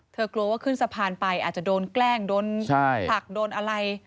กลัวว่าขึ้นสะพานไปอาจจะโดนแกล้งโดนผลักโดนอะไร